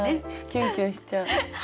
キュンキュンしちゃう。